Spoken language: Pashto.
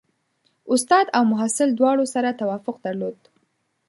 استاد او محصل دواړو سره توافق درلود.